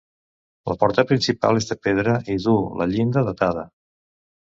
La porta principal és de pedra i duu la llinda datada.